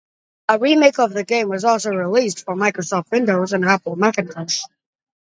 A remake of the game was also released for Microsoft Windows and Apple Macintosh.